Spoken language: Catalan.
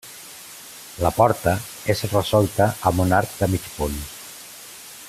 La porta és resolta amb un arc de mig punt.